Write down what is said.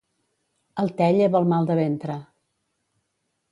El te lleva el mal de ventre.